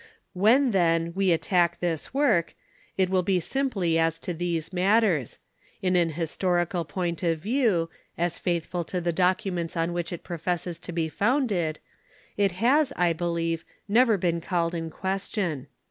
When then we attack this work, it will be simply as to these matters; in an historical point of view, as faithful to the documents on which it professes to be founded, it has^ I believe, never been called in question.